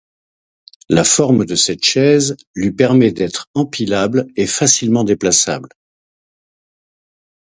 La forme de cette chaise lui permet d’être empilable et facilement déplaçable.